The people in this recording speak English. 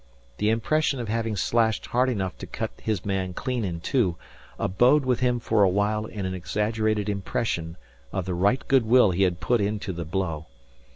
The impression of having slashed hard enough to cut his man clean in two abode with him for awhile in an exaggerated impression of the right good will he had put into the blow.